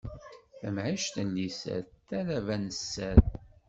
Tamɛict n liser, talaba n sser.